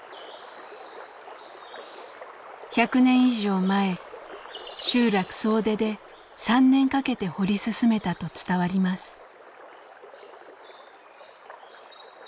１００年以上前集落総出で３年かけて掘り進めたと伝わります。